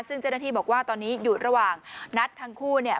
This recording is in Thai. ซึ่งเจ้าหน้าที่บอกว่าตอนนี้อยู่ระหว่างนัดทั้งคู่เนี่ย